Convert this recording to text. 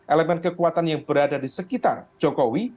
elemen kekuatan yang berada di sekitar jokowi